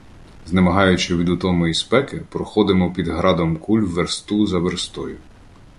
Знемагаючи від утоми і спеки, проходимо під градом куль версту за верстою.